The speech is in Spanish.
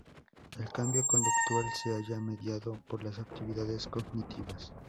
El cambio conductual se haya mediado por las actividades cognitivas.